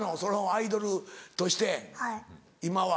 アイドルとして今は。